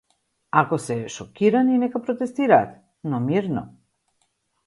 Ако се шокирани, нека протестираат, но мирно.